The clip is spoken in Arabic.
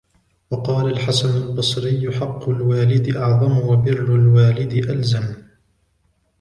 وَقَالَ الْحَسَنُ الْبَصْرِيُّ حَقُّ الْوَالِدِ أَعْظَمُ ، وَبِرُّ الْوَالِدِ أَلْزَمُ